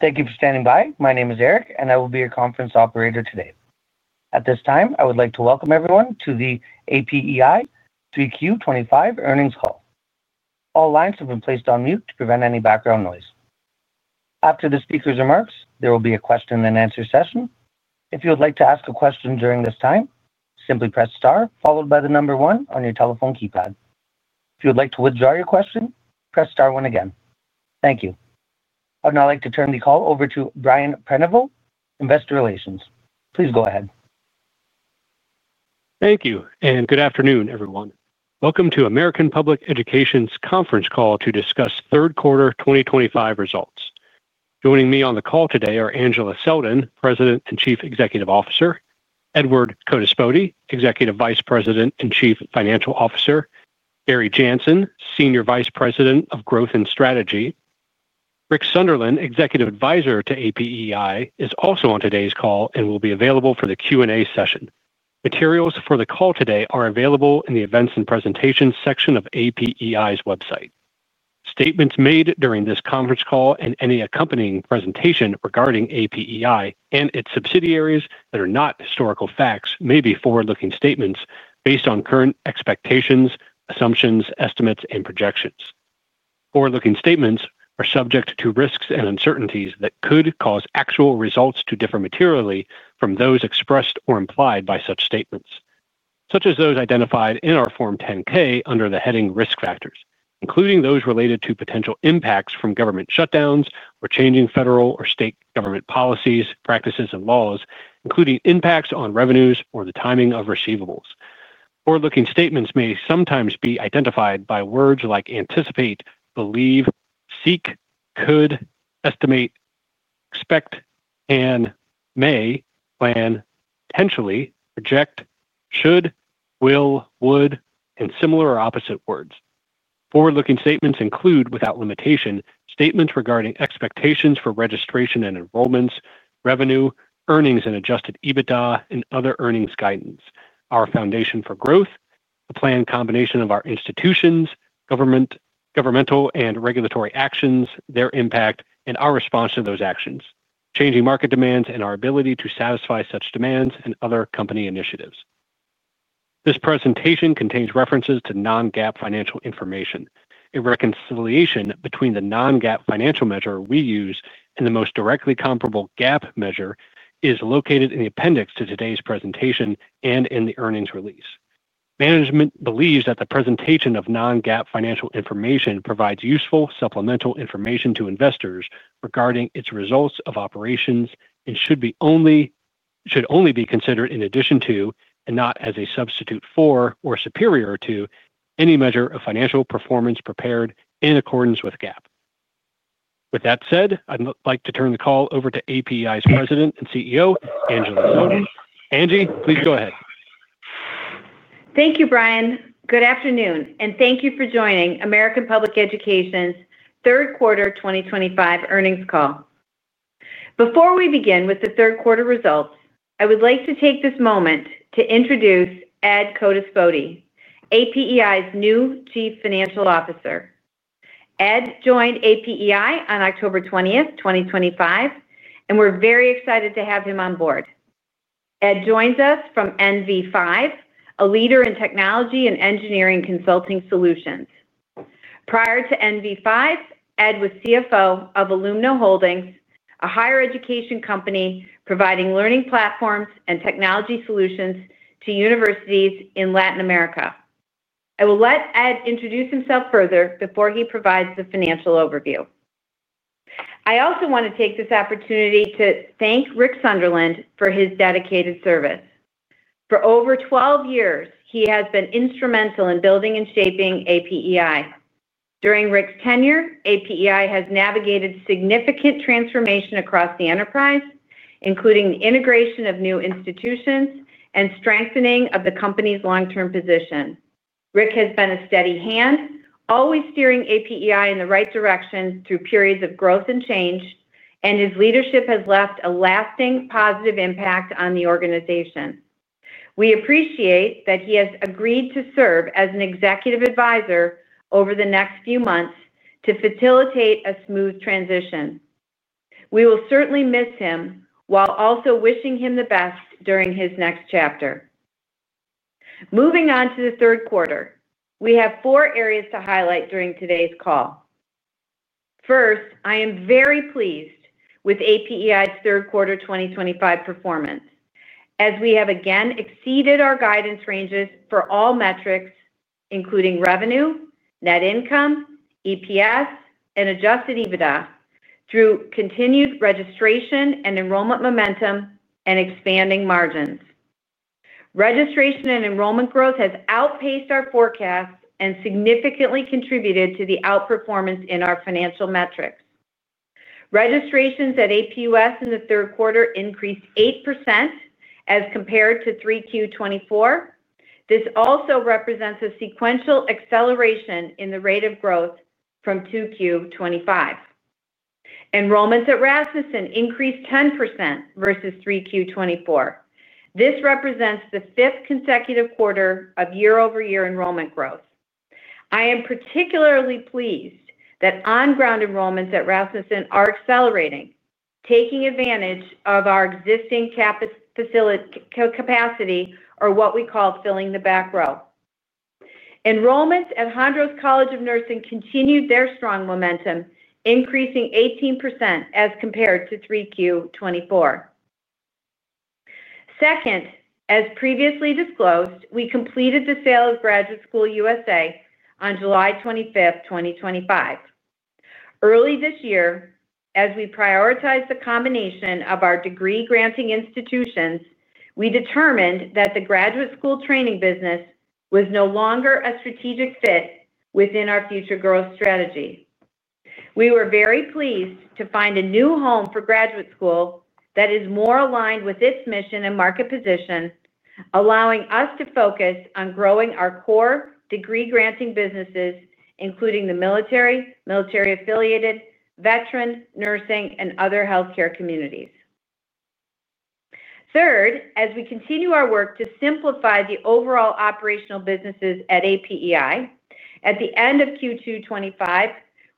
Thank you for standing by. My name is Eric, and I will be your conference operator today. At this time, I would like to welcome everyone to the APEI 3Q 2025 earnings call. All lines have been placed on mute to prevent any background noise. After the speaker's remarks, there will be a question-and-answer session. If you would like to ask a question during this time, simply press star, followed by the number one on your telephone keypad. If you would like to withdraw your question, press star one again. Thank you. I would now like to turn the call over to Brian Prenoveau, Investor Relations. Please go ahead. Thank you, and good afternoon, everyone. Welcome to American Public Education's Conference Call to discuss third quarter 2025 results. Joining me on the call today are Angela Selden, President and Chief Executive Officer; Edward Codispodi, Executive Vice President and Chief Financial Officer; Gary Janssen, Senior Vice President of Growth and Strategy, Rick Sunderland, Executive Advisor to APEI, is also on today's call and will be available for the Q&A session. Materials for the call today are available in the Events and Presentations section of APEI's website. Statements made during this conference call and any accompanying presentation regarding APEI and its subsidiaries that are not historical facts may be forward-looking statements based on current expectations, assumptions, estimates, and projections. Forward-looking statements are subject to risks and uncertainties that could cause actual results to differ materially from those expressed or implied by such statements, such as those identified in our Form 10-K under the heading Risk Factors, including those related to potential impacts from government shutdowns or changing federal or state government policies, practices, and laws, including impacts on revenues or the timing of receivables. Forward-looking statements may sometimes be identified by words like anticipate, believe, seek, could, estimate, expect, can, may, plan, potentially, project, should, will, would, and similar or opposite words. Forward-looking statements include, without limitation, statements regarding expectations for registration and enrollments, revenue, earnings and adjusted EBITDA, and other earnings guidance, our foundation for growth, the planned combination of our institutions, governmental and regulatory actions, their impact, and our response to those actions, changing market demands, and our ability to satisfy such demands and other company initiatives. This presentation contains references to non-GAAP financial information. A reconciliation between the non-GAAP financial measure we use and the most directly comparable GAAP measure is located in the appendix to today's presentation and in the earnings release. Management believes that the presentation of non-GAAP financial information provides useful supplemental information to investors regarding its results of operations and should only be considered in addition to, and not as a substitute for or superior to, any measure of financial performance prepared in accordance with GAAP. With that said, I'd like to turn the call over to APEI's President and CEO, Angela Selden. Angie, please go ahead. Thank you, Brian. Good afternoon, and thank you for joining American Public Education's third quarter 2025 earnings call. Before we begin with the third quarter results, I would like to take this moment to introduce Ed Codispodi, APEI's new Chief Financial Officer. Ed joined APEI on October 20, 2025, and we're very excited to have him on board. Ed joins us from NV5, a leader in technology and engineering consulting solutions. Prior to NV5, Ed was CFO of Alumno Holdings, a higher education company providing learning platforms and technology solutions to universities in Latin America. I will let Ed introduce himself further before he provides the financial overview. I also want to take this opportunity to thank Rick Sunderland for his dedicated service. For over 12 years, he has been instrumental in building and shaping APEI. During Rick's tenure, APEI has navigated significant transformation across the enterprise, including the integration of new institutions and strengthening of the company's long-term position. Rick has been a steady hand, always steering APEI in the right direction through periods of growth and change, and his leadership has left a lasting positive impact on the organization. We appreciate that he has agreed to serve as an executive advisor over the next few months to facilitate a smooth transition. We will certainly miss him while also wishing him the best during his next chapter. Moving on to the third quarter, we have four areas to highlight during today's call. First, I am very pleased with APEI's third quarter 2025 performance, as we have again exceeded our guidance ranges for all metrics, including revenue, net income, EPS, and adjusted EBITDA, through continued registration and enrollment momentum and expanding margins. Registration and enrollment growth has outpaced our forecasts and significantly contributed to the outperformance in our financial metrics. Registrations at APUS in the third quarter increased 8% as compared to 3Q 2024. This also represents a sequential acceleration in the rate of growth from 2Q 2025. Enrollments at Rasmussen increased 10% versus 3Q 2024. This represents the fifth consecutive quarter of year-over-year enrollment growth. I am particularly pleased that on-ground enrollments at Rasmussen are accelerating, taking advantage of our existing capacity or what we call filling the back row. Enrollments at Hondros College of Nursing continued their strong momentum, increasing 18% as compared to 3Q 2024. Second, as previously disclosed, we completed the sale of Graduate School USA on July 25, 2025. Early this year, as we prioritized the combination of our degree-granting institutions, we determined that the graduate school training business was no longer a strategic fit within our future growth strategy. We were very pleased to find a new home for Graduate School that is more aligned with its mission and market position, allowing us to focus on growing our core degree-granting businesses, including the military, military-affiliated, veteran, nursing, and other healthcare communities. Third, as we continue our work to simplify the overall operational businesses at APEI, at the end of Q2 2025,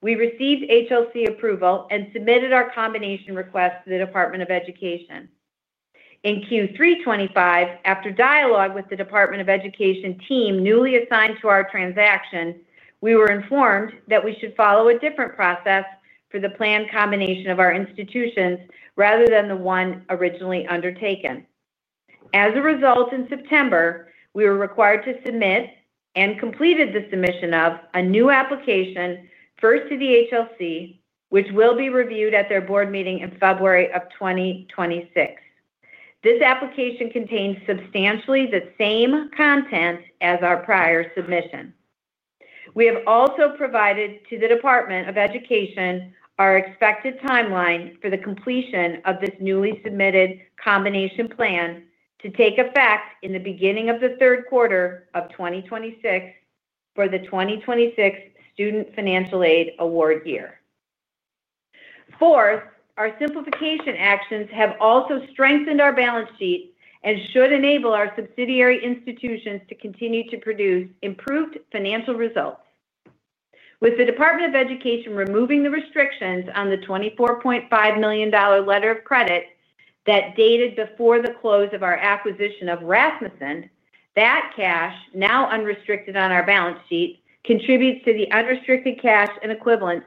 we received HLC approval and submitted our combination request to the U.S. Department of Education. In Q3 2025, after dialogue with the Department of Education team newly assigned to our transaction, we were informed that we should follow a different process for the planned combination of our institutions rather than the one originally undertaken. As a result, in September, we were required to submit and completed the submission of a new application first to the HLC, which will be reviewed at their board meeting in February of 2026. This application contains substantially the same content as our prior submission. We have also provided to the Department of Education our expected timeline for the completion of this newly submitted combination plan to take effect in the beginning of the third quarter of 2026 for the 2026 Student Financial Aid Award year. Fourth, our simplification actions have also strengthened our balance sheet and should enable our subsidiary institutions to continue to produce improved financial results. With the Department of Education removing the restrictions on the $24.5 million letter of credit that dated before the close of our acquisition of Rasmussen, that cash, now unrestricted on our balance sheet, contributes to the unrestricted cash and equivalents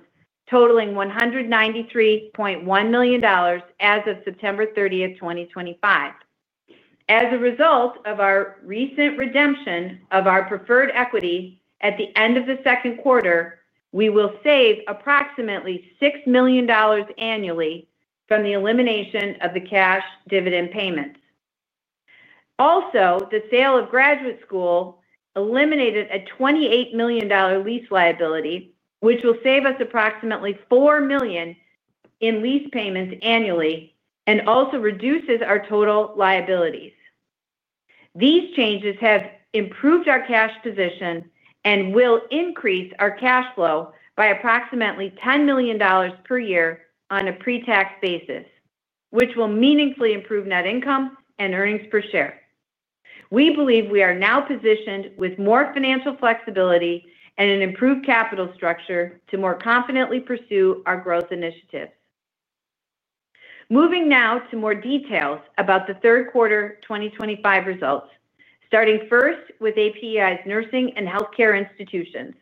totaling $193.1 million as of September 30, 2025. As a result of our recent redemption of our preferred equity at the end of the second quarter, we will save approximately $6 million annually from the elimination of the cash dividend payments. Also, the sale of Graduate School eliminated a $28 million lease liability, which will save us approximately $4 million in lease payments annually and also reduces our total liabilities. These changes have improved our cash position and will increase our cash flow by approximately $10 million per year on a pre-tax basis, which will meaningfully improve net income and earnings per share. We believe we are now positioned with more financial flexibility and an improved capital structure to more confidently pursue our growth initiatives. Moving now to more details about the third quarter 2025 results, starting first with APEI's nursing and healthcare institutions.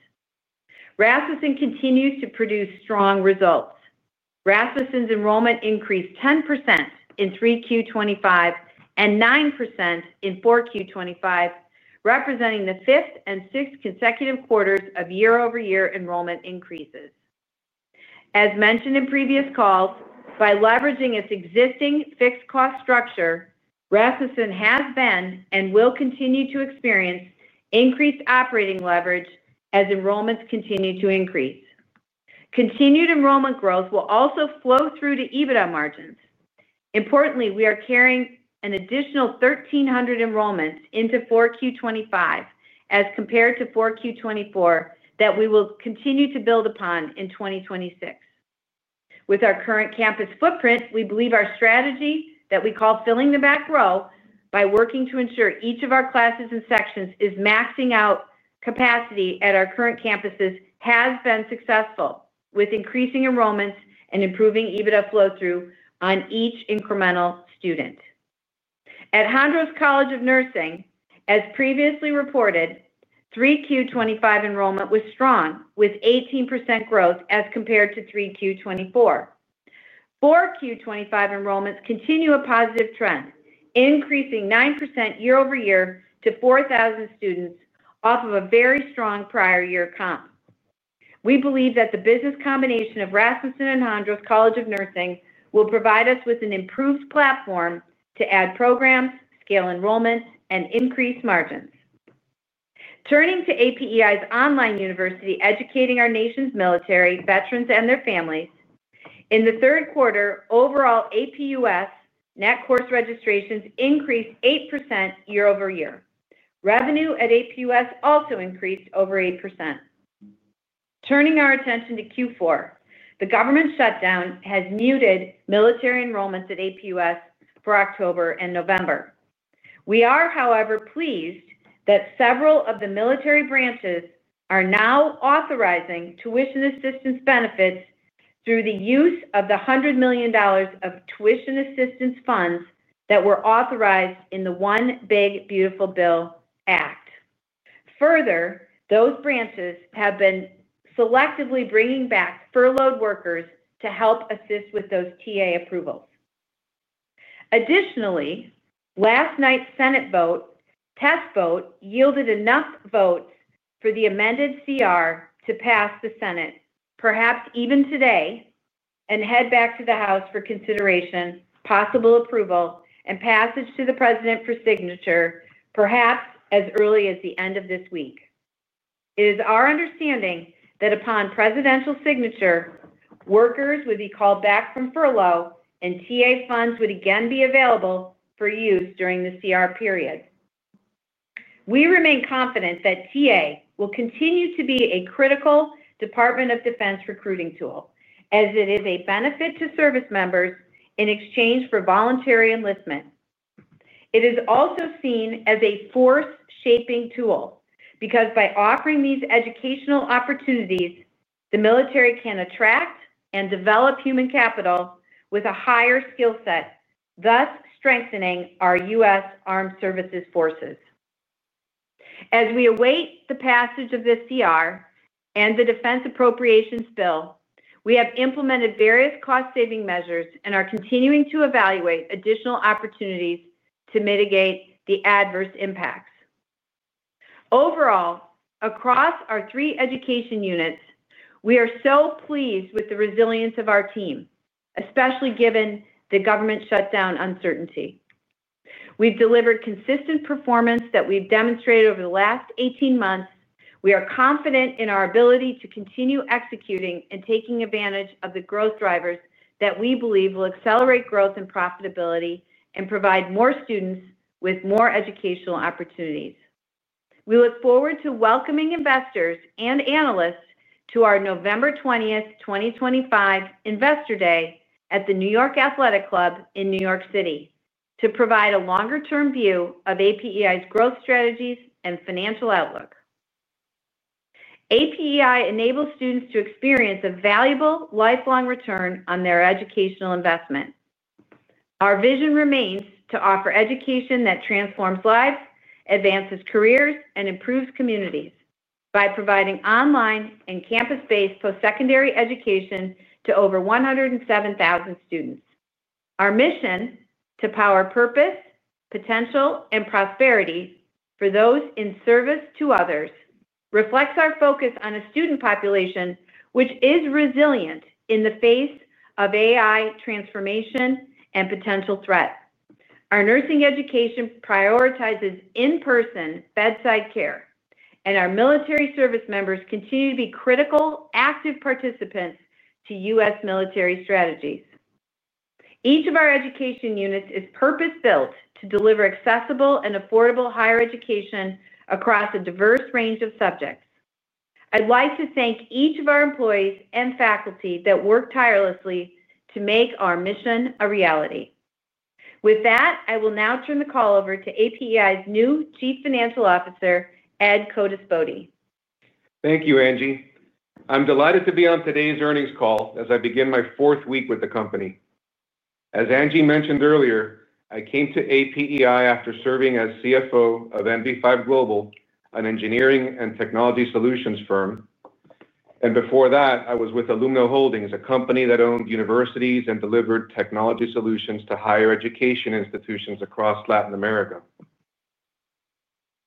Rasmussen continues to produce strong results. Rasmussen's enrollment increased 10% in 3Q 2025 and 9% in 4Q 2025, representing the fifth and sixth consecutive quarters of year-over-year enrollment increases. As mentioned in previous calls, by leveraging its existing fixed-cost structure, Rasmussen has been and will continue to experience increased operating leverage as enrollments continue to increase. Continued enrollment growth will also flow through to EBITDA margins. Importantly, we are carrying an additional 1,300 enrollments into 4Q 2025 as compared to 4Q 2024 that we will continue to build upon in 2026. With our current campus footprint, we believe our strategy that we call filling the back row by working to ensure each of our classes and sections is maxing out capacity at our current campuses has been successful, with increasing enrollments and improving EBITDA flow-through on each incremental student. At Hondros College of Nursing, as previously reported, 3Q 2025 enrollment was strong with 18% growth as compared to 3Q 2024. 4Q 2025 enrollments continue a positive trend, increasing 9% year-over-year to 4,000 students off of a very strong prior year comp. We believe that the business combination of Rasmussen and Hondros College of Nursing will provide us with an improved platform to add programs, scale enrollment, and increase margins. Turning to APEI's online university educating our nation's military, veterans, and their families, in the third quarter, overall APUS net course registrations increased 8% year-over-year. Revenue at APUS also increased over 8%. Turning our attention to Q4, the government shutdown has muted military enrollments at APUS for October and November. We are, however, pleased that several of the military branches are now authorizing tuition assistance benefits through the use of the $100 million of tuition assistance funds that were authorized in the One Big Beautiful Bill Act. Further, those branches have been selectively bringing back furloughed workers to help assist with those TA approvals. Additionally, last night's Senate vote, test vote, yielded enough votes for the amended CR to pass the Senate, perhaps even today, and head back to the House for consideration, possible approval, and passage to the President for signature, perhaps as early as the end of this week. It is our understanding that upon presidential signature, workers would be called back from furlough and TA funds would again be available for use during the CR period. We remain confident that TA will continue to be a critical Department of Defense recruiting tool, as it is a benefit to service members in exchange for voluntary enlistment. It is also seen as a force-shaping tool because by offering these educational opportunities, the military can attract and develop human capital with a higher skill set, thus strengthening our U.S. Armed Services Forces. As we await the passage of this CR and the Defense Appropriations Bill, we have implemented various cost-saving measures and are continuing to evaluate additional opportunities to mitigate the adverse impacts. Overall, across our three education units, we are so pleased with the resilience of our team, especially given the government shutdown uncertainty. We've delivered consistent performance that we've demonstrated over the last 18 months. We are confident in our ability to continue executing and taking advantage of the growth drivers that we believe will accelerate growth and profitability and provide more students with more educational opportunities. We look forward to welcoming investors and analysts to our November 20, 2025, Investor Day at the New York Athletic Club in New York City to provide a longer-term view of APEI's growth strategies and financial outlook. APEI enables students to experience a valuable lifelong return on their educational investment. Our vision remains to offer education that transforms lives, advances careers, and improves communities by providing online and campus-based post-secondary education to over 107,000 students. Our mission, to power purpose, potential, and prosperity for those in service to others, reflects our focus on a student population which is resilient in the face of AI transformation and potential threats. Our nursing education prioritizes in-person bedside care, and our military service members continue to be critical active participants to U.S. military strategies. Each of our education units is purpose-built to deliver accessible and affordable higher education across a diverse range of subjects. I'd like to thank each of our employees and faculty that work tirelessly to make our mission a reality. With that, I will now turn the call over to APEI's new Chief Financial Officer, Ed Codispodi. Thank you, Angie. I'm delighted to be on today's earnings call as I begin my fourth week with the company. As Angie mentioned earlier, I came to APEI after serving as CFO of NV5 Global, an engineering and technology solutions firm. Before that, I was with Alumno Holdings, a company that owned universities and delivered technology solutions to higher education institutions across Latin America.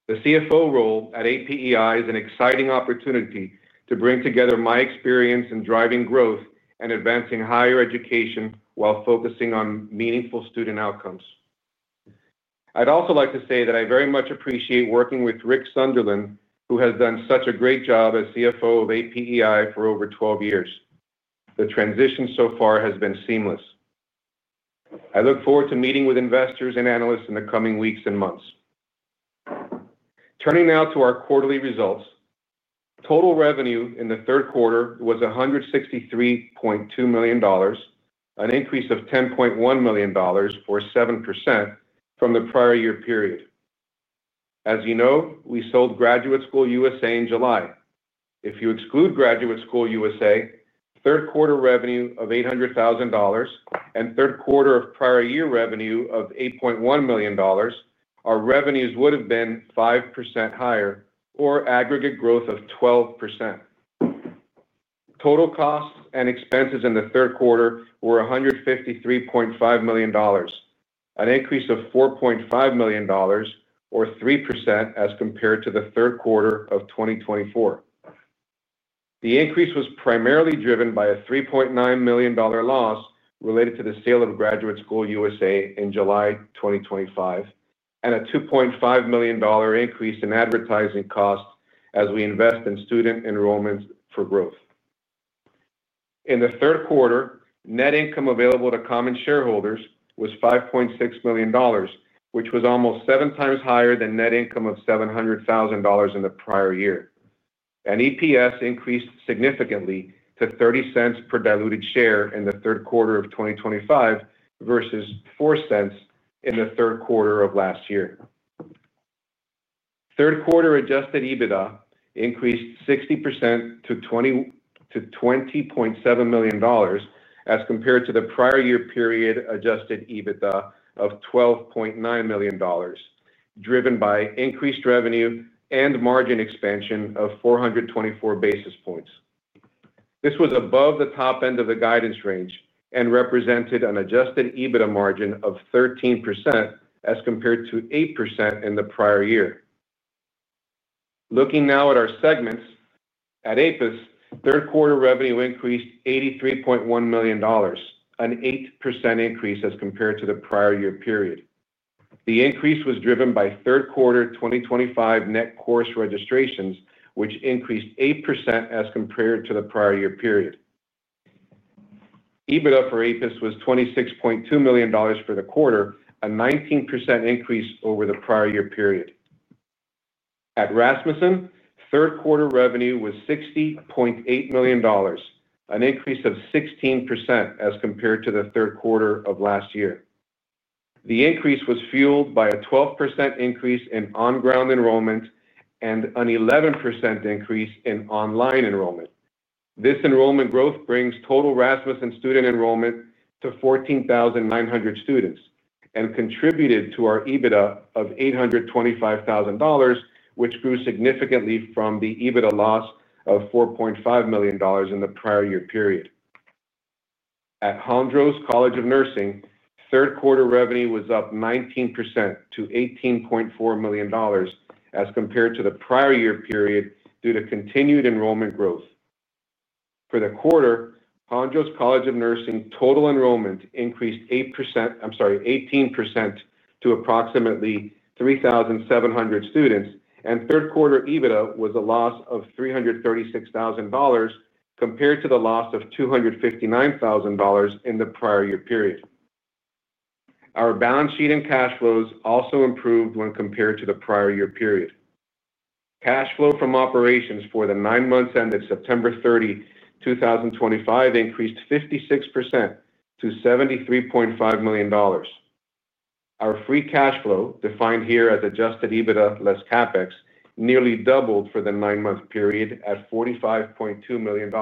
The CFO role at APEI is an exciting opportunity to bring together my experience in driving growth and advancing higher education while focusing on meaningful student outcomes. I'd also like to say that I very much appreciate working with Rick Sunderland, who has done such a great job as CFO of APEI for over 12 years. The transition so far has been seamless. I look forward to meeting with investors and analysts in the coming weeks and months. Turning now to our quarterly results, total revenue in the third quarter was $163.2 million, an increase of $10.1 million or 7% from the prior year period. As you know, we sold Graduate School USA in July. If you exclude Graduate School USA, third quarter revenue of $800,000 and third quarter of prior year revenue of $8.1 million, our revenues would have been 5% higher or aggregate growth of 12%. Total costs and expenses in the third quarter were $153.5 million, an increase of $4.5 million or 3% as compared to the third quarter of 2024. The increase was primarily driven by a $3.9 million loss related to the sale of Graduate School USA in July 2025 and a $2.5 million increase in advertising costs as we invest in student enrollments for growth. In the third quarter, net income available to common shareholders was $5.6 million, which was almost seven times higher than net income of $700,000 in the prior year. EPS increased significantly to $0.30 per diluted share in the third quarter of 2025 versus $0.04 in the third quarter of last year. Third quarter adjusted EBITDA increased 60% to $20.7 million as compared to the prior year period adjusted EBITDA of $12.9 million, driven by increased revenue and margin expansion of 424 basis points. This was above the top end of the guidance range and represented an adjusted EBITDA margin of 13% as compared to 8% in the prior year. Looking now at our segments, at APUS, third quarter revenue increased $83.1 million, an 8% increase as compared to the prior year period. The increase was driven by third quarter 2025 net course registrations, which increased 8% as compared to the prior year period. EBITDA for APUS was $26.2 million for the quarter, a 19% increase over the prior year period. At Rasmussen, third quarter revenue was $60.8 million, an increase of 16% as compared to the third quarter of last year. The increase was fueled by a 12% increase in on-ground enrollment and an 11% increase in online enrollment. This enrollment growth brings total Rasmussen student enrollment to 14,900 students and contributed to our EBITDA of $825,000, which grew significantly from the EBITDA loss of $4.5 million in the prior year period. At Hondros College of Nursing, third quarter revenue was up 19% to $18.4 million as compared to the prior year period due to continued enrollment growth. For the quarter, Hondros College of Nursing total enrollment increased 8%, I'm sorry, 18% to approximately 3,700 students, and third quarter EBITDA was a loss of $336,000 compared to the loss of $259,000 in the prior year period. Our balance sheet and cash flows also improved when compared to the prior year period. Cash flow from operations for the nine months ended September 30, 2025, increased 56% to $73.5 million. Our free cash flow, defined here as adjusted EBITDA less CapEx, nearly doubled for the nine-month period at $45.2 million.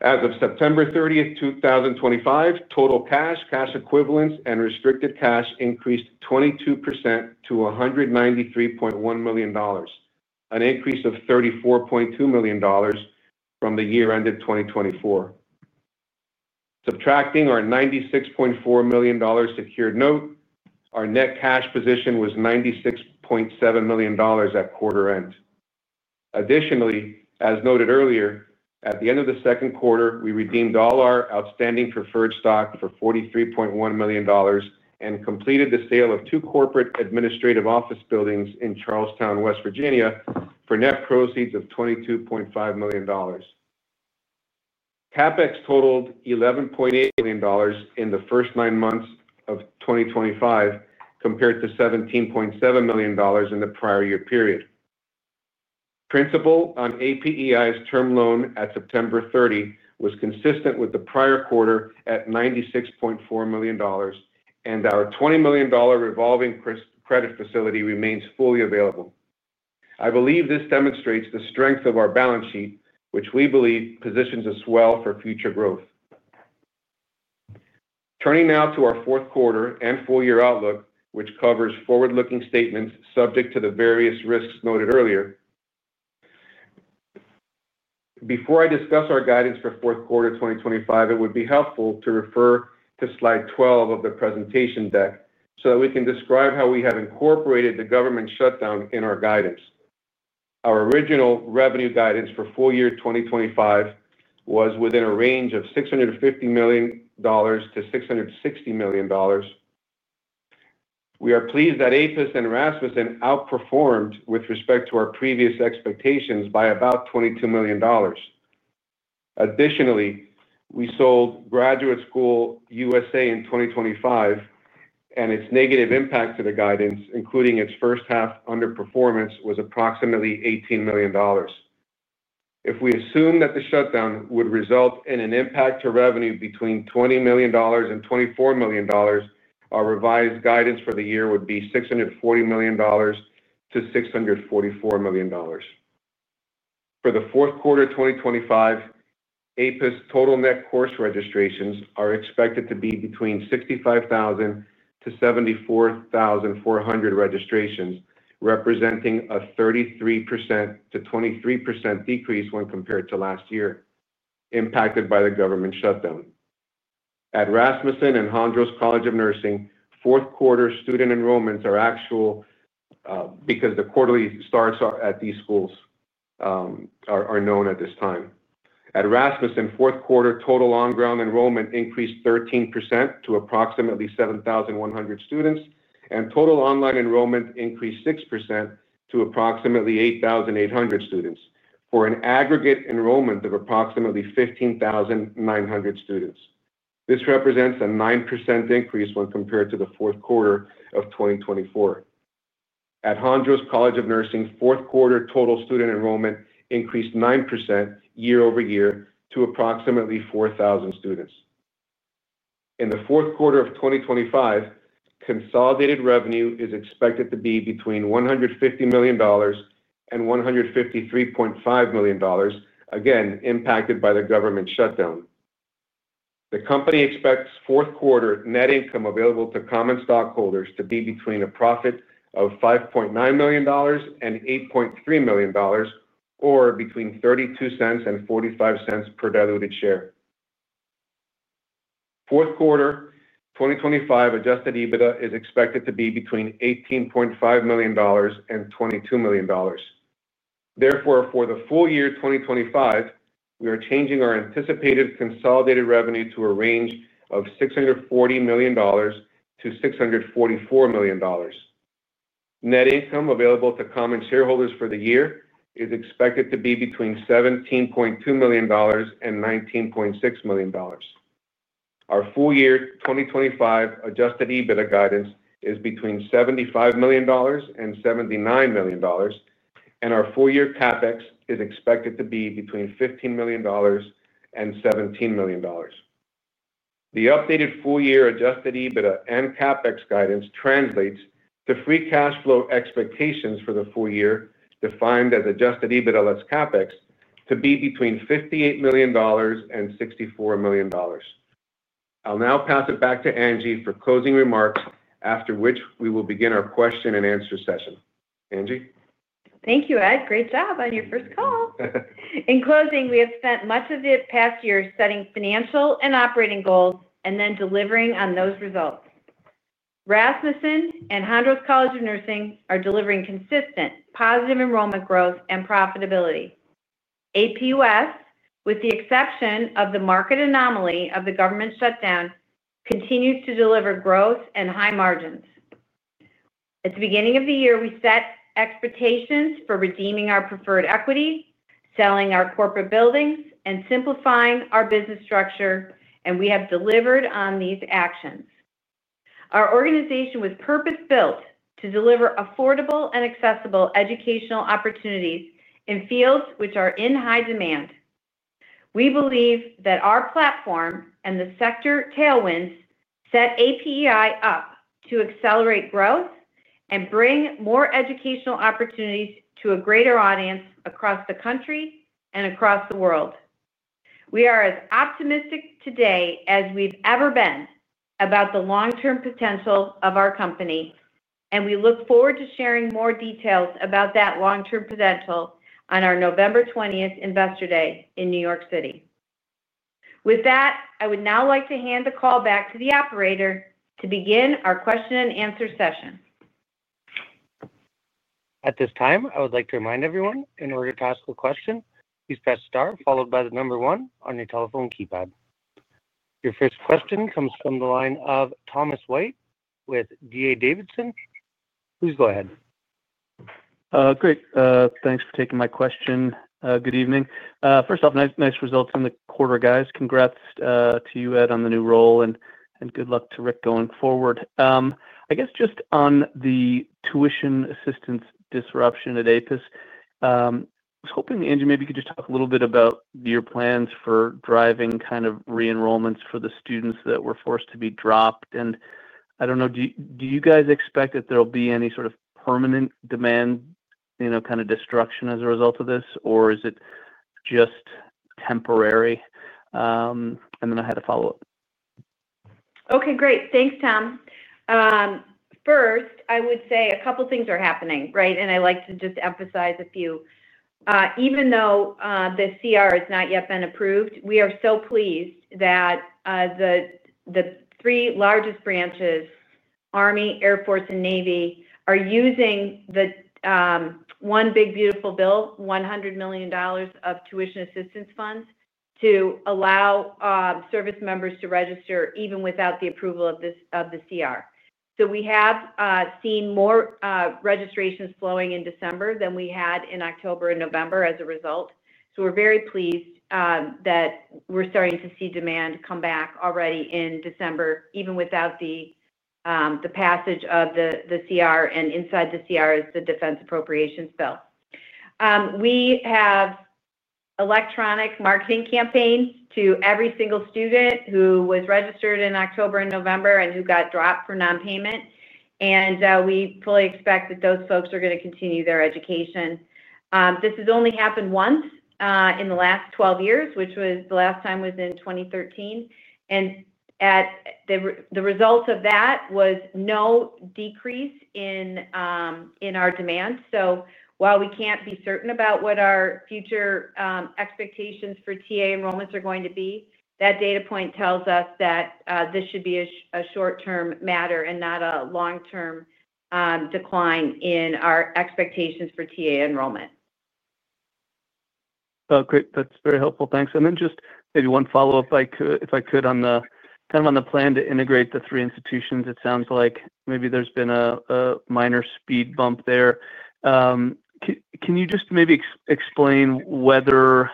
As of September 30, 2025, total cash, cash equivalents, and restricted cash increased 22% to $193.1 million, an increase of $34.2 million from the year-ended 2024. Subtracting our $96.4 million secured note, our net cash position was $96.7 million at quarter end. Additionally, as noted earlier, at the end of the second quarter, we redeemed all our outstanding preferred stock for $43.1 million and completed the sale of two corporate administrative office buildings in Charlestown, West Virginia, for net proceeds of $22.5 million. CapEx totaled $11.8 million in the first nine months of 2025 compared to $17.7 million in the prior year period. Principal on APEI's term loan at September 30 was consistent with the prior quarter at $96.4 million, and our $20 million revolving credit facility remains fully available. I believe this demonstrates the strength of our balance sheet, which we believe positions us well for future growth. Turning now to our fourth quarter and full-year outlook, which covers forward-looking statements subject to the various risks noted earlier. Before I discuss our guidance for fourth quarter 2025, it would be helpful to refer to slide 12 of the presentation deck so that we can describe how we have incorporated the government shutdown in our guidance. Our original revenue guidance for full year 2025 was within a range of $650 million-$660 million. We are pleased that APUS and Rasmussen outperformed with respect to our previous expectations by about $22 million. Additionally, we sold Graduate School USA in 2025, and its negative impact to the guidance, including its first-half underperformance, was approximately $18 million. If we assume that the shutdown would result in an impact to revenue between $20 million and $24 million, our revised guidance for the year would be $640 million-$644 million. For the fourth quarter 2025, APUS total net course registrations are expected to be between 65,000-74,400 registrations, representing a 33%-23% decrease when compared to last year, impacted by the government shutdown. At Rasmussen and Hondros College of Nursing, fourth quarter student enrollments are actual because the quarterly starts at these schools are known at this time. At Rasmussen, fourth quarter total on-ground enrollment increased 13% to approximately 7,100 students, and total online enrollment increased 6% to approximately 8,800 students for an aggregate enrollment of approximately 15,900 students. This represents a 9% increase when compared to the fourth quarter of 2024. At Hondros College of Nursing, fourth quarter total student enrollment increased 9% year over year to approximately 4,000 students. In the fourth quarter of 2025, consolidated revenue is expected to be between $150 million-$153.5 million, again impacted by the government shutdown. The company expects fourth quarter net income available to common stockholders to be between a profit of $5.9 million and $8.3 million, or between $0.32 and $0.45 per diluted share. Fourth quarter 2025 adjusted EBITDA is expected to be between $18.5 million and $22 million. Therefore, for the full year 2025, we are changing our anticipated consolidated revenue to a range of $640 million-$644 million. Net income available to common shareholders for the year is expected to be between $17.2 million and $19.6 million. Our full year 2025 adjusted EBITDA guidance is between $75 million-$79 million, and our full year CapEx is expected to be between $15 million and $17 million. The updated full year adjusted EBITDA and CapEx guidance translates to free cash flow expectations for the full year, defined as adjusted EBITDA less CapEx, to be between $58 million and $64 million. I'll now pass it back to Angie for closing remarks, after which we will begin our question and answer session. Angie? Thank you, Ed. Great job on your first call. In closing, we have spent much of the past year setting financial and operating goals and then delivering on those results. Rasmussen and Hondros College of Nursing are delivering consistent positive enrollment growth and profitability. APUS, with the exception of the market anomaly of the government shutdown, continues to deliver growth and high margins. At the beginning of the year, we set expectations for redeeming our preferred equity, selling our corporate buildings, and simplifying our business structure, and we have delivered on these actions. Our organization was purpose-built to deliver affordable and accessible educational opportunities in fields which are in high demand. We believe that our platform and the sector tailwinds set APEI up to accelerate growth and bring more educational opportunities to a greater audience across the country and across the world. We are as optimistic today as we've ever been about the long-term potential of our company, and we look forward to sharing more details about that long-term potential on our November 20th Investor Day in New York City. With that, I would now like to hand the call back to the operator to begin our question and answer session. At this time, I would like to remind everyone, in order to ask a question, please press star followed by the number one on your telephone keypad. Your first question comes from the line of Thomas White with D.A. Davidson. Please go ahead. Great. Thanks for taking my question. Good evening. First off, nice results in the quarter, guys. Congrats to you, Ed, on the new role, and good luck to Rick going forward. I guess just on the tuition assistance disruption at APUS, I was hoping, Angie, maybe you could just talk a little bit about your plans for driving kind of re-enrollments for the students that were forced to be dropped. I do not know, do you guys expect that there will be any sort of permanent demand kind of destruction as a result of this, or is it just temporary? I had a follow-up. Okay, great. Thanks, Tom. First, I would say a couple of things are happening, right? I would like to just emphasize a few. Even though the CR has not yet been approved, we are so pleased that the three largest branches, Army, Air Force, and Navy, are using the one big beautiful bill, $100 million of tuition assistance funds, to allow service members to register even without the approval of the CR. We have seen more registrations flowing in December than we had in October and November as a result. We are very pleased that we are starting to see demand come back already in December, even without the passage of the CR, and inside the CR is the defense appropriations bill. We have electronic marketing campaigns to every single student who was registered in October and November and who got dropped for nonpayment. We fully expect that those folks are going to continue their education. This has only happened once in the last 12 years, which was the last time was in 2013. The result of that was no decrease in our demand. While we can't be certain about what our future expectations for TA enrollments are going to be, that data point tells us that this should be a short-term matter and not a long-term decline in our expectations for TA enrollment. Great. That's very helpful. Thanks. Just maybe one follow-up, if I could, kind of on the plan to integrate the three institutions. It sounds like maybe there's been a minor speed bump there. Can you just maybe explain whether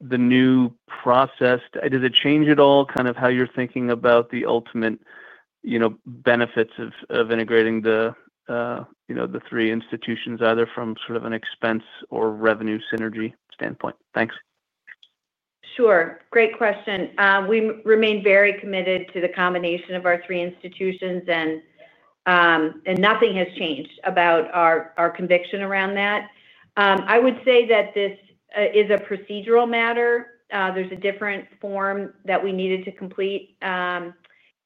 the new process, does it change at all kind of how you're thinking about the ultimate benefits of integrating the three institutions, either from sort of an expense or revenue synergy standpoint? Thanks. Sure. Great question. We remain very committed to the combination of our three institutions, and nothing has changed about our conviction around that. I would say that this is a procedural matter. There is a different form that we needed to complete.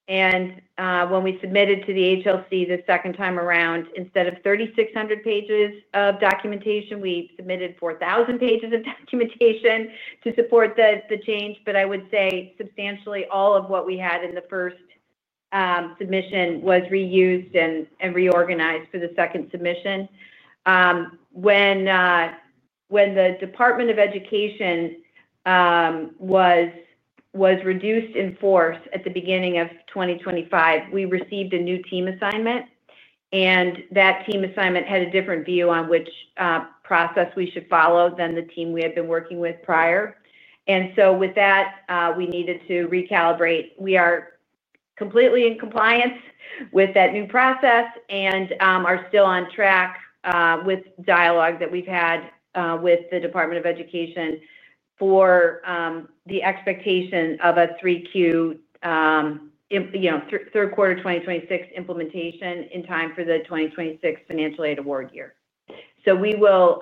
When we submitted to the HLC the second time around, instead of 3,600 pages of documentation, we submitted 4,000 pages of documentation to support the change. I would say substantially all of what we had in the first submission was reused and reorganized for the second submission. When the Department of Education was reduced in force at the beginning of 2025, we received a new team assignment, and that team assignment had a different view on which process we should follow than the team we had been working with prior. With that, we needed to recalibrate. We are completely in compliance with that new process and are still on track with dialogue that we've had with the Department of Education for the expectation of a 3Q 2026 implementation in time for the 2026 financial aid award year. We will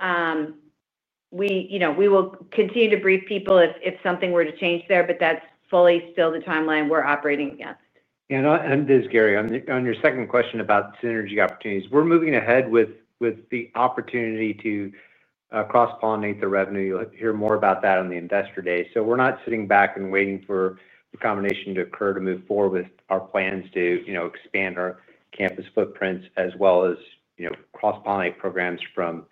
continue to brief people if something were to change there, but that's fully still the timeline we're operating against. This is Gary. On your second question about synergy opportunities, we're moving ahead with the opportunity to cross-pollinate the revenue. You'll hear more about that on the investor day. We're not sitting back and waiting for the combination to occur to move forward with our plans to expand our campus footprints as well as cross-pollinate programs from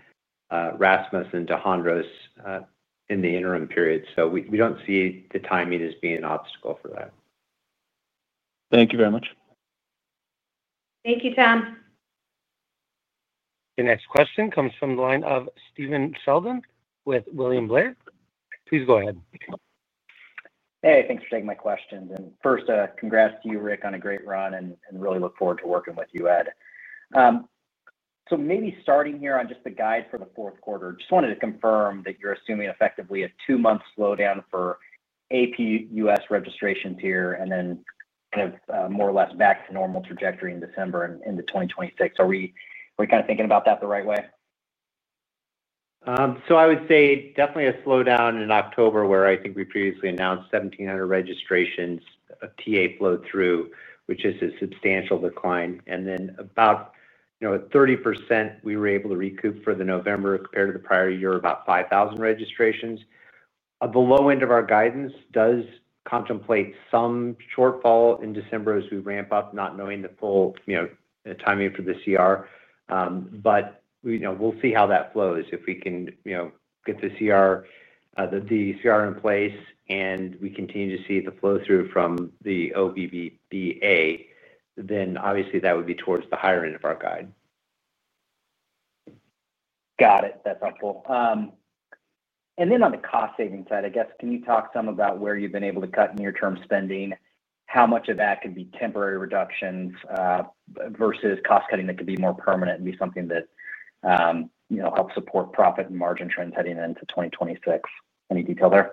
Rasmussen to Hondros in the interim period. We don't see the timing as being an obstacle for that. Thank you very much. Thank you, Tom. The next question comes from the line of Stephen Sheldon with William Blair. Please go ahead. Hey, thanks for taking my questions. First, congrats to you, Rick, on a great run, and really look forward to working with you, Ed. Maybe starting here on just the guide for the fourth quarter, just wanted to confirm that you're assuming effectively a two-month slowdown for APUS registrations here and then kind of more or less back to normal trajectory in December and into 2026. Are we kind of thinking about that the right way? I would say definitely a slowdown in October where I think we previously announced 1,700 registrations of TA flowed through, which is a substantial decline. Then about 30% we were able to recoup for the November compared to the prior year, about 5,000 registrations. The low end of our guidance does contemplate some shortfall in December as we ramp up, not knowing the full timing for the CR. We will see how that flows. If we can get the CR in place and we continue to see the flow through from the OBBA, then obviously that would be towards the higher end of our guide. Got it. That is helpful. On the cost-saving side, I guess, can you talk some about where you have been able to cut near-term spending, how much of that could be temporary reductions versus cost-cutting that could be more permanent and be something that helps support profit and margin trends heading into 2026? Any detail there?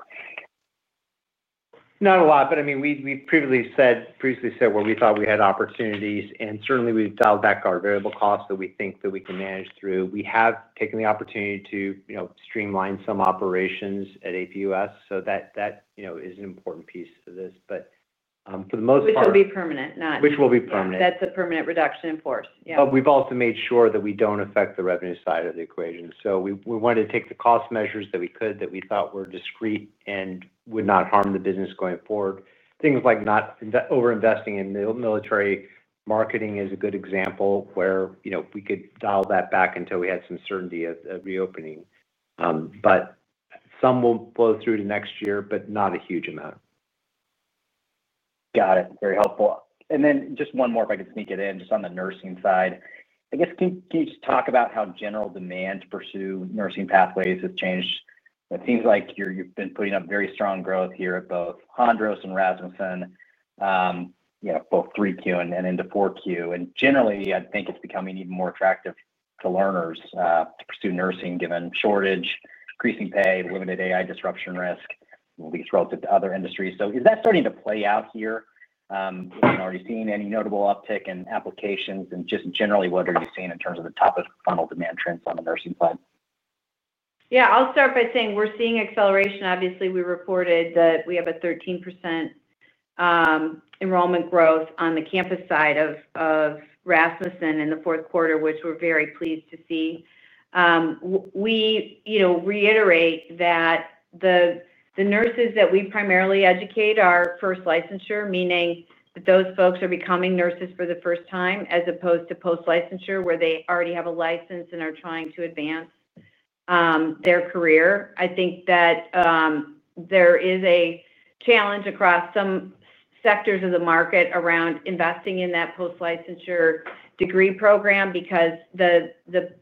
Not a lot, but I mean, we have previously said where we thought we had opportunities, and certainly we have dialed back our variable costs that we think that we can manage through. We have taken the opportunity to streamline some operations at APUS, so that is an important piece of this. For the most part, which will be permanent.. That is a permanent reduction in force, yeah. We have also made sure that we do not affect the revenue side of the equation. We wanted to take the cost measures that we could that we thought were discrete and would not harm the business going forward. Things like not over-investing in military marketing is a good example where we could dial that back until we had some certainty of reopening. Some will flow through to next year, but not a huge amount. Got it. Very helpful. Just one more, if I could sneak it in, just on the Nursing side. I guess can you just talk about how general demand to pursue Nursing pathways has changed? It seems like you've been putting up very strong growth here at both Hondros and Rasmussen, both 3Q and into 4Q. Generally, I think it's becoming even more attractive to learners to pursue nursing given shortage, increasing pay, limited AI disruption risk, at least relative to other industries. Is that starting to play out here? Have you already seen any notable uptick in applications? Just generally, what are you seeing in terms of the top-of-funnel demand trends on the Nursing side? Yeah. I'll start by saying we're seeing acceleration. Obviously, we reported that we have a 13% enrollment growth on the campus side of Rasmussen in the fourth quarter, which we're very pleased to see. We reiterate that the nurses that we primarily educate are first licensure, meaning that those folks are becoming nurses for the first time as opposed to post-licensure where they already have a license and are trying to advance their career. I think that there is a challenge across some sectors of the market around investing in that post-licensure degree program because the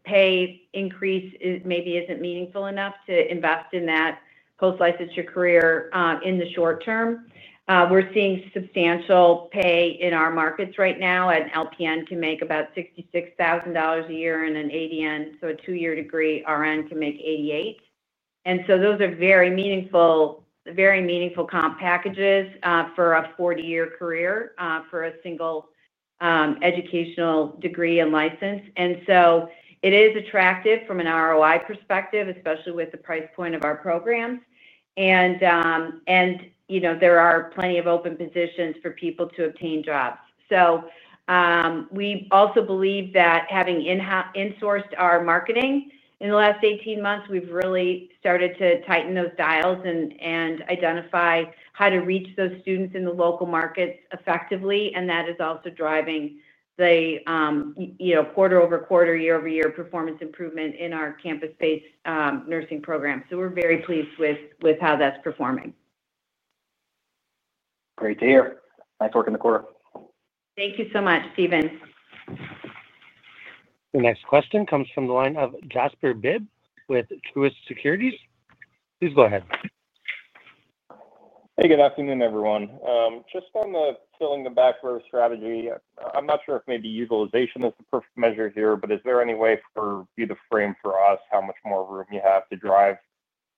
pay increase maybe isn't meaningful enough to invest in that post-licensure career in the short term. We're seeing substantial pay in our markets right now. An LPN can make about $66,000 a year, and an ADN, so a two-year degree, RN can make $88,000. Those are very meaningful comp packages for a 40-year career for a single educational degree and license. It is attractive from an ROI perspective, especially with the price point of our programs. There are plenty of open positions for people to obtain jobs. We also believe that having insourced our marketing in the last 18 months, we have really started to tighten those dials and identify how to reach those students in the local markets effectively. That is also driving the quarter-over-quarter, year-over-year performance improvement in our campus-based nursing program. We are very pleased with how that is performing. Great to hear. Nice work in the quarter. Thank you so much, Stephen. The next question comes from the line of Jasper Bibb with Truist Securities. Please go ahead. Hey, good afternoon, everyone. Just on the filling the back row strategy, I am not sure if maybe utilization is the perfect measure here, but is there any way for you to frame for us how much more room you have to drive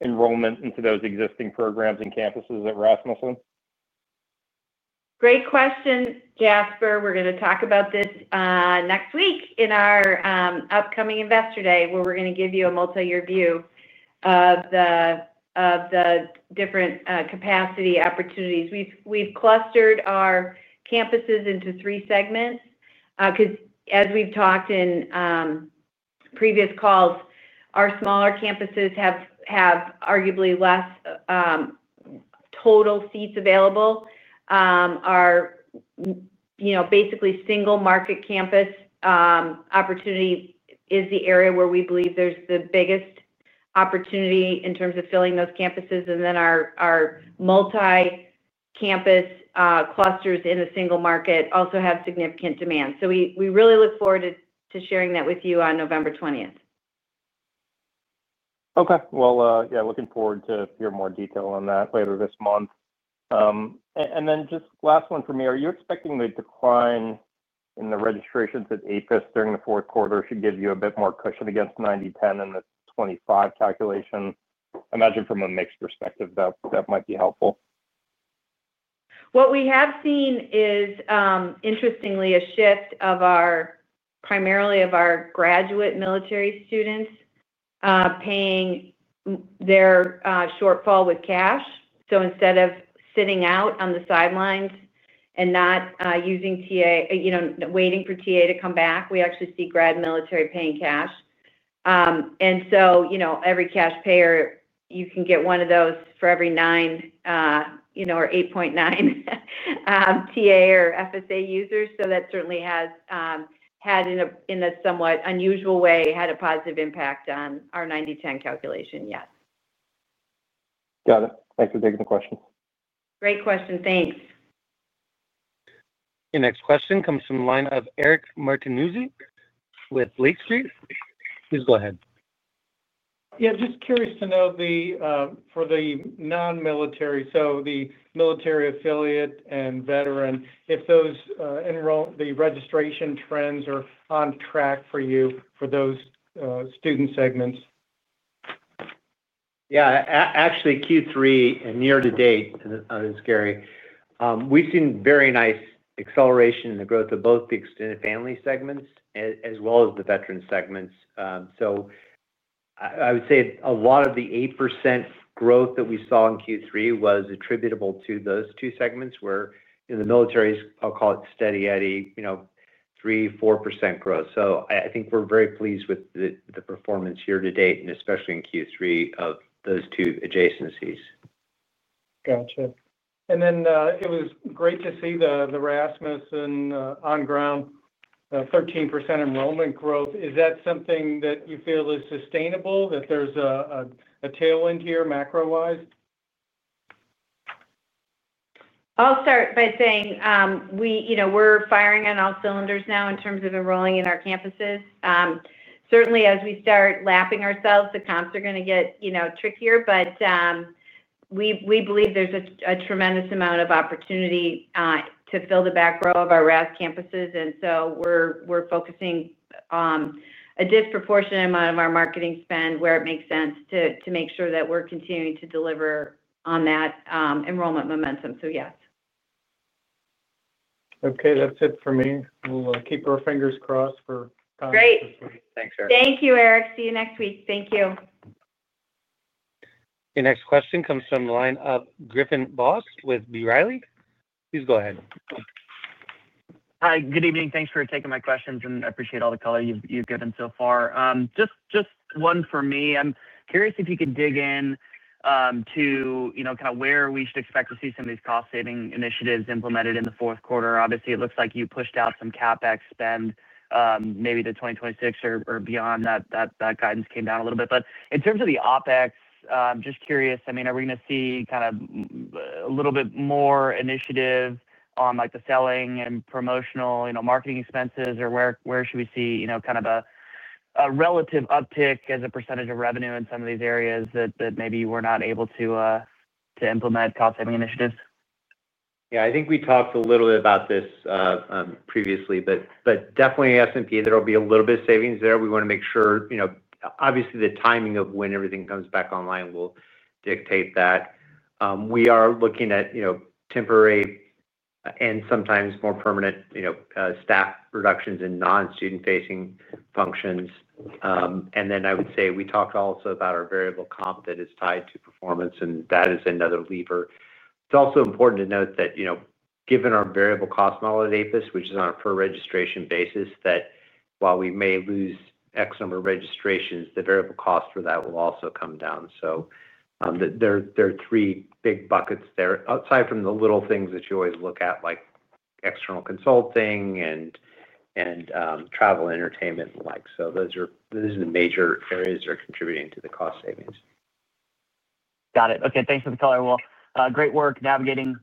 enrollment into those existing programs and campuses at Rasmussen? Great question, Jasper. We're going to talk about this next week in our upcoming Investor Day where we're going to give you a multi-year view of the different capacity opportunities. We've clustered our campuses into three segments because, as we've talked in previous calls, our smaller campuses have arguably less total seats available. Our basically single market campus opportunity is the area where we believe there's the biggest opportunity in terms of filling those campuses. And then our multi-campus clusters in the single market also have significant demand. We really look forward to sharing that with you on November 20th. Okay. Yeah, looking forward to hearing more detail on that later this month. And then just last one for me. Are you expecting the decline in the registrations at APUS during the fourth quarter should give you a bit more cushion against 90/10 in the 2025 calculation? I imagine from a mixed perspective that might be helpful. What we have seen is, interestingly, a shift primarily of our graduate military students paying their shortfall with cash. Instead of sitting out on the sidelines and not waiting for TA to come back, we actually see grad military paying cash. Every cash payer, you can get one of those for every 9, 8.9 TA or FSA users. That certainly has had, in a somewhat unusual way, a positive impact on our 90/10 calculation, yes. Got it. Thanks for taking the question. Great question. Thanks. The next question comes from the line of Eric Martinuzzi with Lake Street. Please go ahead. Yeah. Just curious to know for the non-military, so the military affiliate and veteran, if the registration trends are on track for you for those student segments. Yeah. Actually, Q3 and year to date, this is Gary. We've seen very nice acceleration in the growth of both the extended family segments as well as the veteran segments. I would say a lot of the 8% growth that we saw in Q3 was attributable to those two segments where in the military, I'll call it steady at a 3%-4% growth. I think we're very pleased with the performance year to date, and especially in Q3 of those two adjacencies. Gotcha. It was great to see the Rasmussen on-ground 13% enrollment growth. Is that something that you feel is sustainable, that there's a tail end here macro-wise? I'll start by saying we're firing on all cylinders now in terms of enrolling in our campuses. Certainly, as we start lapping ourselves, the comps are going to get trickier. We believe there's a tremendous amount of opportunity to fill the back row of our RAS campuses. We are focusing a disproportionate amount of our marketing spend where it makes sense to make sure that we are continuing to deliver on that enrollment momentum. Yes. Okay. That's it for me. We'll keep our fingers crossed for Great. Thanks, Eric. Thank you, Eric. See you next week. Thank you. The next question comes from the line of Griffin Boss with B. Riley. Please go ahead. Hi. Good evening. Thanks for taking my questions, and I appreciate all the color you've given so far. Just one for me. I'm curious if you could dig into kind of where we should expect to see some of these cost-saving initiatives implemented in the fourth quarter. Obviously, it looks like you pushed out some CapEx spend maybe to 2026 or beyond. That guidance came down a little bit. In terms of the OpEx, just curious, I mean, are we going to see kind of a little bit more initiative on the selling and promotional marketing expenses, or where should we see kind of a relative uptick as a percentage of revenue in some of these areas that maybe we're not able to implement cost-saving initiatives? Yeah. I think we talked a little bit about this previously, but definitely S&P, there will be a little bit of savings there. We want to make sure obviously the timing of when everything comes back online will dictate that. We are looking at temporary and sometimes more permanent staff reductions in non-student-facing functions. I would say we talked also about our variable comp that is tied to performance, and that is another lever. It's also important to note that given our variable cost model at APUS, which is on a per-registration basis, that while we may lose X number of registrations, the variable cost for that will also come down. There are three big buckets there, aside from the little things that you always look at like external consulting and travel entertainment and the like. Those are the major areas that are contributing to the cost savings. Got it. Okay. Thanks for the color. Great work navigating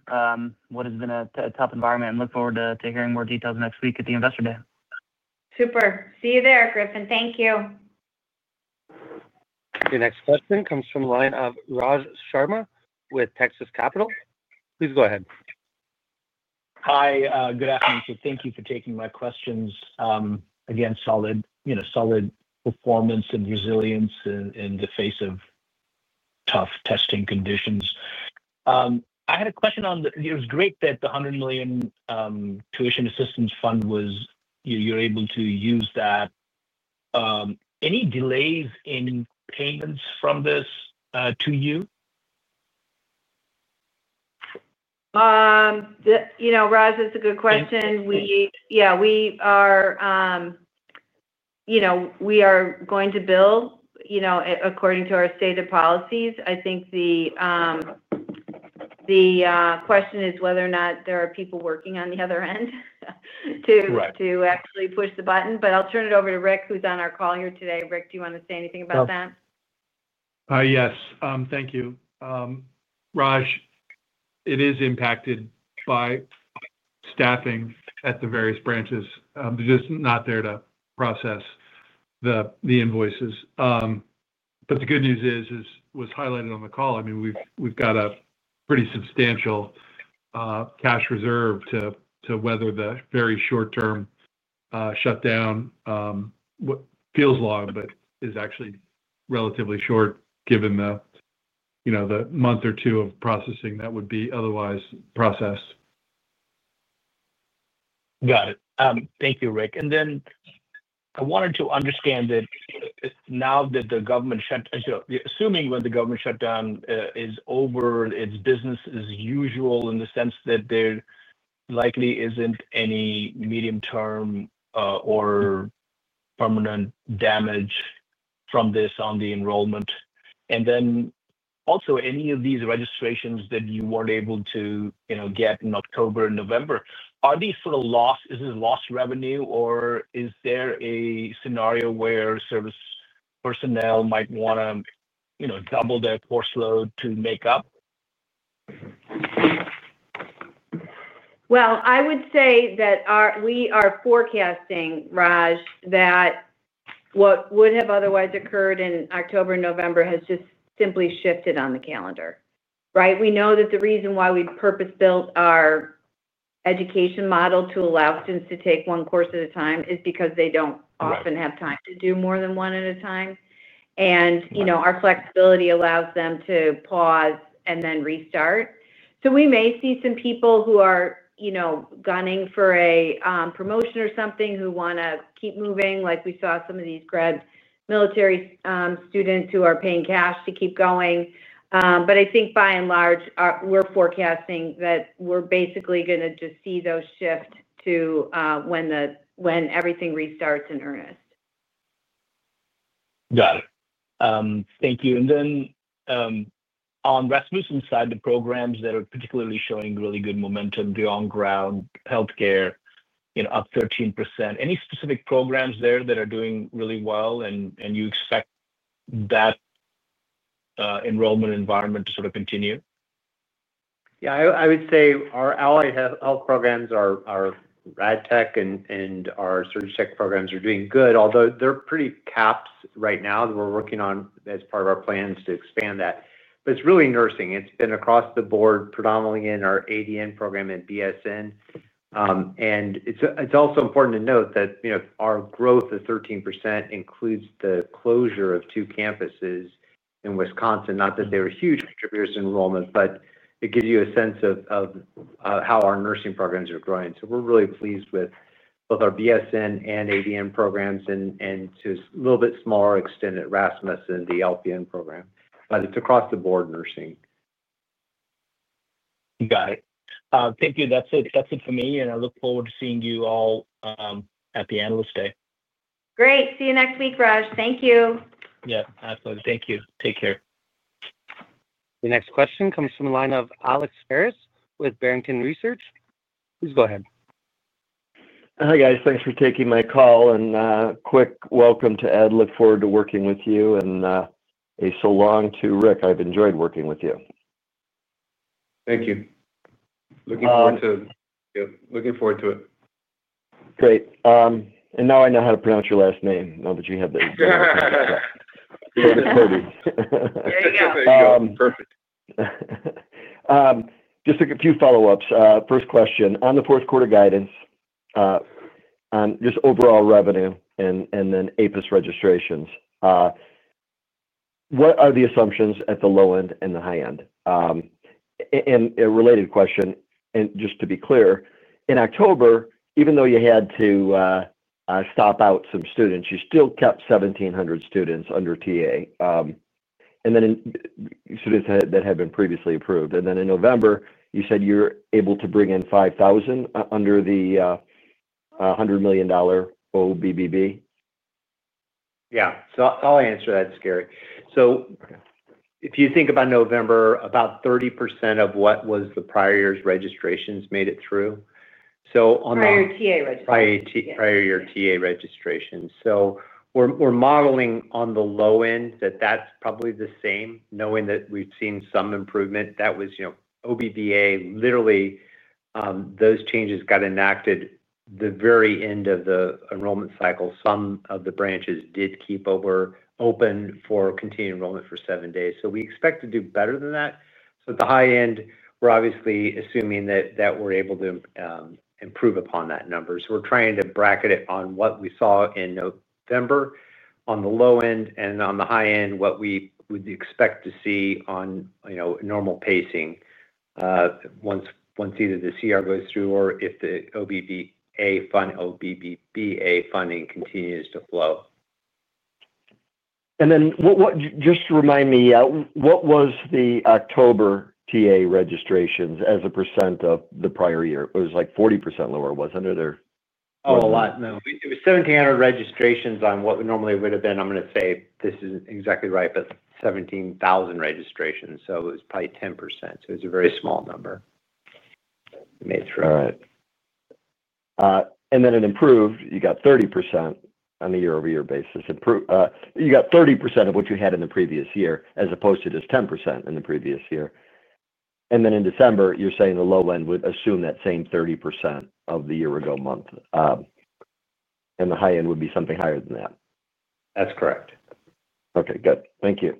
what has been a tough environment. I look forward to hearing more details next week at the Investor Day. Super. See you there, Griffin. Thank you. The next question comes from the line of Raj Sharma with Texas Capital. Please go ahead. Hi. Good afternoon. Thank you for taking my questions. Again, solid performance and resilience in the face of tough testing conditions. I had a question on the it was great that the $100 million tuition assistance fund was you're able to use that. Any delays in payments from this to you? Raj, that's a good question. Yeah. We are going to bill according to our stated policies. I think the question is whether or not there are people working on the other end to actually push the button. I'll turn it over to Rick, who's on our call here today. Rick, do you want to say anything about that? Yes. Thank you. Raj, it is impacted by staffing at the various branches. They're just not there to process the invoices. The good news is, as was highlighted on the call, I mean, we've got a pretty substantial cash reserve to weather the very short-term shutdown. What feels long, but is actually relatively short given the month or two of processing that would be otherwise processed. Got it. Thank you, Rick. I wanted to understand that now that the government shut, assuming when the government shutdown is over, it's business as usual in the sense that there likely isn't any medium-term or permanent damage from this on the enrollment. Also, any of these registrations that you weren't able to get in October and November, are these sort of lost? Is this lost revenue, or is there a scenario where service personnel might want to double their course load to make up? I would say that we are forecasting, Raj, that what would have otherwise occurred in October and November has just simply shifted on the calendar, right? We know that the reason why we purpose-built our education model to allow students to take one course at a time is because they do not often have time to do more than one at a time. Our flexibility allows them to pause and then restart. We may see some people who are gunning for a promotion or something who want to keep moving, like we saw some of these grad military students who are paying cash to keep going. I think by and large, we are forecasting that we are basically going to just see those shift to when everything restarts in earnest. Got it. Thank you. On the Rasmussen side, the programs that are particularly showing really good momentum, the on-ground healthcare, up 13%. Any specific programs there that are doing really well, and you expect that enrollment environment to sort of continue? Yeah. I would say our allied health programs are RADTEC, and our surg tech programs are doing good, although they're pretty capped right now. We're working on, as part of our plans, to expand that. It's really nursing. It's been across the board, predominantly in our ADN program and BSN. It's also important to note that our growth of 13% includes the closure of two campuses in Wisconsin. Not that they were huge contributors to enrollment, but it gives you a sense of how our nursing programs are growing. We're really pleased with both our BSN and ADN programs, and it's a little bit smaller extended Rasmussen and the LPN program. It's across the board nursing. Got it. Thank you. That's it for me. I look forward to seeing you all at the Analyst Day. Great. See you next week, Raj. Thank you. Yeah. Absolutely. Thank you. Take care. The next question comes from the line of Alex Paris with Barrington Research. Please go ahead. Hi, guys. Thanks for taking my call. And quick welcome to Ed. Look forward to working with you. And so long to Rick. I've enjoyed working with you. Thank you. Looking forward to it. Great. Now I know how to pronounce your last name, now that you have the surname. There it is. There you go. Perfect. Just a few follow-ups. First question. On the fourth quarter guidance, just overall revenue, and then APUS registrations, what are the assumptions at the low end and the high end? A related question, and just to be clear, in October, even though you had to stop out some students, you still kept 1,700 students under TA, and then students that had been previously approved. In November, you said you're able to bring in 5,000 under the $100 million OBBA? Yeah. I'll answer that, Scary. If you think about November, about 30% of what was the prior year's registrations made it through. On the prior year TA registrations. Prior year TA registrations. We're modeling on the low end that that's probably the same, knowing that we've seen some improvement. That was OBBA. Literally, those changes got enacted at the very end of the enrollment cycle. Some of the branches did keep open for continued enrollment for seven days. We expect to do better than that. At the high end, we're obviously assuming that we're able to improve upon that number. We're trying to bracket it on what we saw in November on the low end, and on the high end, what we would expect to see on normal pacing once either the CR goes through or if the OBBA funding continues to flow. Just to remind me, what was the October TA registrations as a percent of the prior year? It was like 40% lower, was it not? Oh, a lot. No. It was 1,700 registrations on what normally would have been, I'm going to say this is not exactly right, but 17,000 registrations. So it was probably 10%. It was a very small number made through. All right. In improved, you got 30% on a year-over-year basis. You got 30% of what you had in the previous year as opposed to just 10% in the previous year. In December, you're saying the low end would assume that same 30% of the year-ago month, and the high end would be something higher than that. That's correct. Okay. Good. Thank you.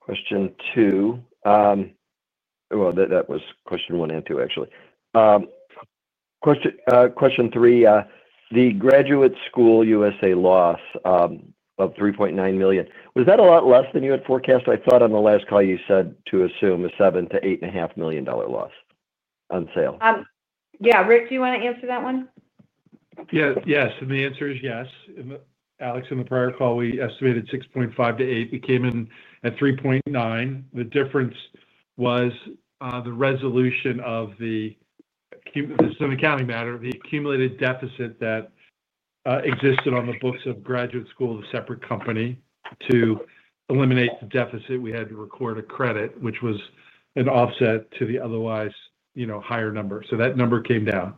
Question two. That was question one and two, actually. Question three, the Graduate School USA loss of $3.9 million. Was that a lot less than you had forecast? I thought on the last call you said to assume a $7 million-$8.5 million loss on sale. Yeah. Rick, do you want to answer that one? Yes. And the answer is yes. Alex, in the prior call, we estimated $6.5 million-$8 million. It came in at $3.9 million. The difference was the resolution of the—this is an accounting matter—the accumulated deficit that existed on the books of Graduate School of a separate company to eliminate the deficit. We had to record a credit, which was an offset to the otherwise higher number. So that number came down.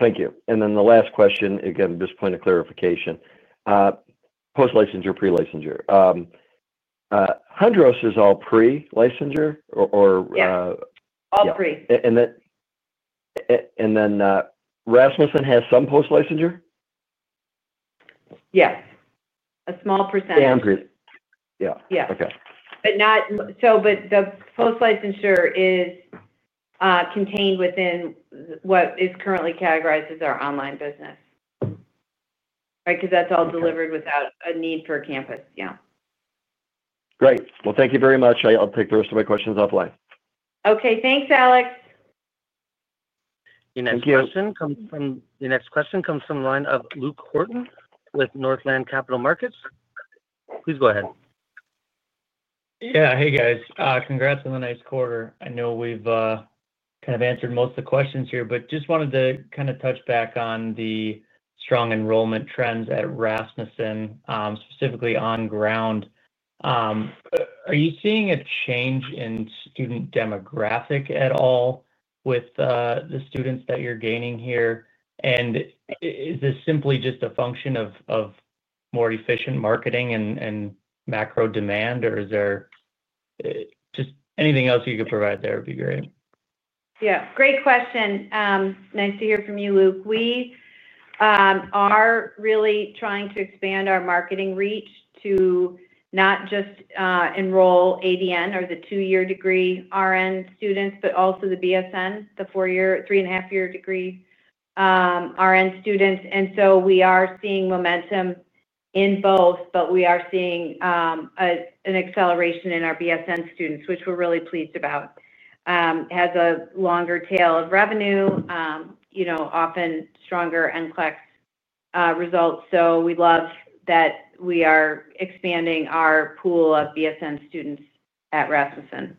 Thank you. And then the last question, again, just a point of clarification. Post-licensure, pre-licensure. Hondros is all pre-licensure or? Yes. All pre. And then Rasmussen has some post-licensure? Yes. A small percentage. Yeah. Yeah. But not. So the post-licensure is contained within what is currently categorized as our online business, right? Because that's all delivered without a need for a campus. Yeah. Great. Thank you very much. I'll take the rest of my questions offline. Okay. Thanks, Alex. Thank you. The next question comes from the line of Luke Horton with Northland Capital Markets. Please go ahead. Yeah. Hey, guys. Congrats on the next quarter. I know we've kind of answered most of the questions here, but just wanted to kind of touch back on the strong enrollment trends at Rasmussen, specifically on ground. Are you seeing a change in student demographic at all with the students that you're gaining here? Is this simply just a function of more efficient marketing and macro demand, or is there just anything else you could provide there would be great? Yeah. Great question. Nice to hear from you, Luke. We are really trying to expand our marketing reach to not just enroll ADN or the two-year degree RN students, but also the BSN, the three-and-a-half-year degree RN students. We are seeing momentum in both, but we are seeing an acceleration in our BSN students, which we're really pleased about. It has a longer tail of revenue, often stronger NCLEX results. We love that we are expanding our pool of BSN students at Rasmussen.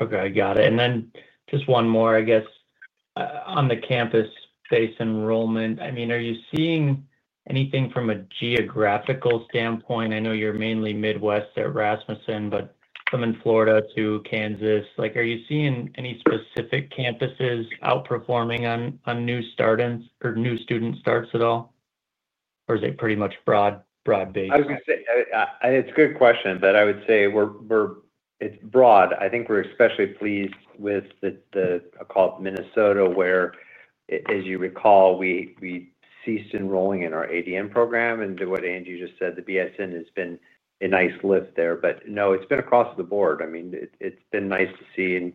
Okay. I got it. And then just one more, I guess, on the campus-based enrollment. I mean, are you seeing anything from a geographical standpoint? I know you're mainly Midwest at Rasmussen, but from Florida to Kansas, are you seeing any specific campuses outperforming on new students' starts at all? Or is it pretty much broad-based? I was going to say, and it's a good question, but I would say it's broad. I think we're especially pleased with the—I’ll call it Minnesota, where, as you recall, we ceased enrolling in our ADN program. And to what Angie just said, the BSN has been a nice lift there. But no, it's been across the board. I mean, it's been nice to see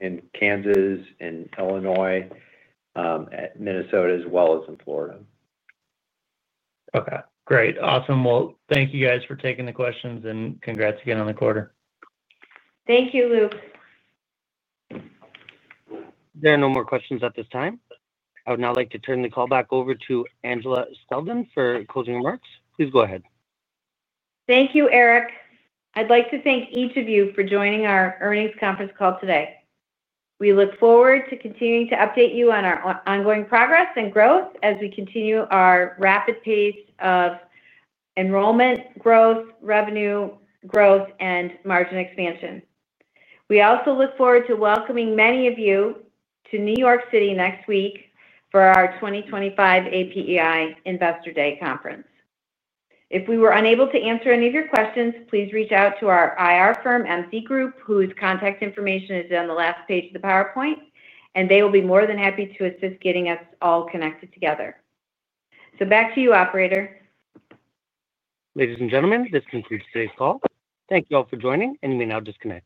in Kansas, in Illinois, at Minnesota, as well as in Florida. Okay. Great. Awesome. Thank you, guys, for taking the questions, and congrats again on the quarter. Thank you, Luke. There are no more questions at this time. I would now like to turn the call back over to Angela Selden for closing remarks. Please go ahead. Thank you, Eric. I'd like to thank each of you for joining our earnings conference call today. We look forward to continuing to update you on our ongoing progress and growth as we continue our rapid pace of enrollment growth, revenue growth, and margin expansion. We also look forward to welcoming many of you to New York City next week for our 2025 APEI Investor Day conference. If we were unable to answer any of your questions, please reach out to our IR firm, MC Group, whose contact information is on the last page of the PowerPoint, and they will be more than happy to assist getting us all connected together. Back to you, Operator. Ladies and gentlemen, this concludes today's call. Thank you all for joining, and you may now disconnect.